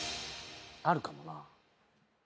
あるかもな。